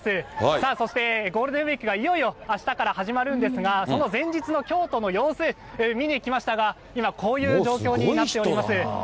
さあ、そしてゴールデンウィークがいよいよあしたから始まるんですが、その前日の京都の様子、見に来ましたが、今、こういう状況になっております。